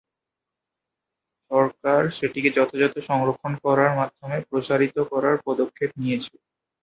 সরকার সেটিকে যথাযথ সংরক্ষণ করার মাধ্যমে প্রসারিত করার পদক্ষেপ নিয়েছে।